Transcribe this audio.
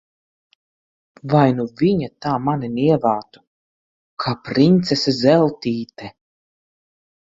Vai nu viņa tā mani nievātu, kā princese Zeltīte!